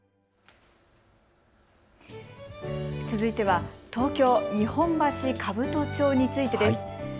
続いては東京日本橋兜町についてです。